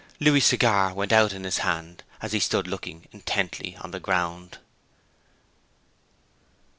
Louis's cigar went out in his hand as he stood looking intently at the ground.